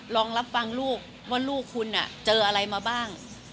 ลองรับฟังลูกว่าลูกคุณเจออะไรมาบ้าง